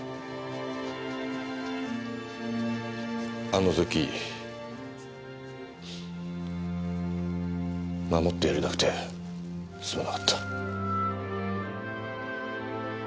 あの時守ってやれなくてすまなかった。